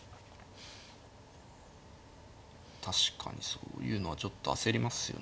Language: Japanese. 確かにそういうのはちょっと焦りますよね。